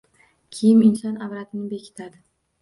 Kiyim inson avratini berkitadi